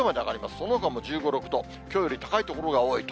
そのほかも１５、６度、きょうより高い所が多いと。